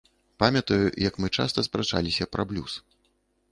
Памятаю, як мы часта спрачаліся пра блюз.